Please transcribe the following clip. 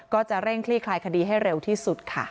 ก็จะเร่งคลี่คลายคดีให้เร็วที่สุดค่ะ